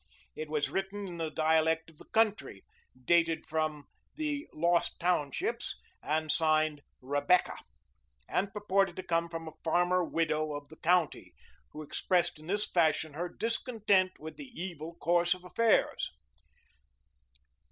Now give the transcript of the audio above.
It was written in the dialect of the country, dated from the "Lost Townships," and signed "Rebecca," and purported to come from a farmer widow of the county, who expressed in this fashion her discontent with the evil course of affairs.